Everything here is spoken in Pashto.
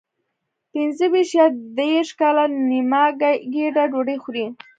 پنځه ویشت یا دېرش کاله نیمه ګېډه ډوډۍ خوري.